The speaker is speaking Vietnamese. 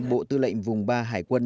bộ tư lệnh vùng ba hải quân